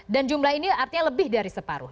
dan jumlah ini artinya lebih dari separuh